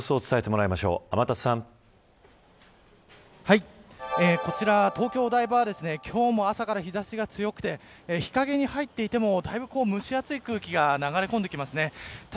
現在の様子をこちら、東京・お台場は今日も朝から日差しが強くて日陰に入っていてもだいぶ蒸し暑い空気が流れ込んできます。